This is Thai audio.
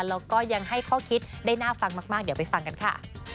แล้วก็ยังให้ข้อคิดได้น่าฟังมากเดี๋ยวไปฟังกันค่ะ